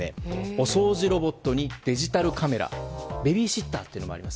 お掃除ロボットにデジタルカメラベビーシッターというのもあります。